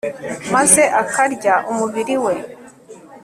maze akarya umubiri we